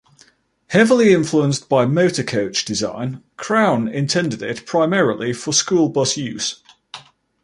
Heavily influenced by motorcoach design, Crown intended it primarily for school bus use.